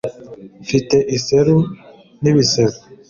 Mfite iseru nibisebe